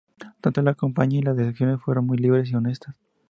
Tanto la campaña y las elecciones fueron muy libres y honestas.